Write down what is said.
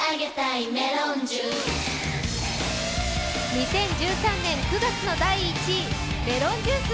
２０１３年９月の第１位、「メロンジュース」。